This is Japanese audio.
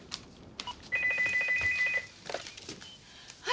はい。